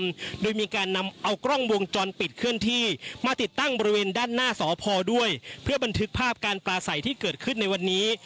มีการนำเอากล้องวงจรปิดเคลื่อนที่มาติดตั้งบริเวณด้านหน้าสพด้วยเพื่อบันทึกภาพการปลาใสที่เกิดขึ้นในวันนี้